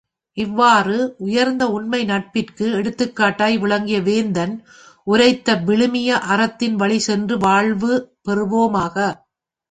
இவ்வாறு உயர்ந்த உண்மை நட்பிற்கு எடுத்துக்காட்டாய் விளங்கிய வேந்தன் உரைத்த விழுமிய அறத்தின் வழிச்சென்று வாழ்வு பெறுவோமாக!